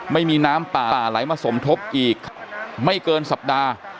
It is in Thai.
ไม่มีน้ำป่าป่าไหลมาสมทบอีกไม่เกินสัปดาห์